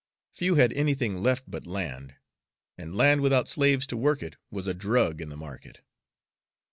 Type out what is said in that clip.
Few had anything left but land, and land without slaves to work it was a drug in the market.